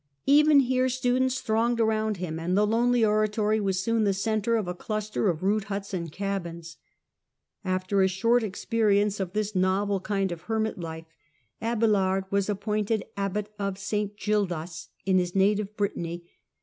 Even here students thronged around him, and the lonely oratory was soon the centre of a cluster of rude huts and cabins. After a short experience of this novel kind of hermit life, Abelard was appointed Abbot of St Gildas in his native Britanny.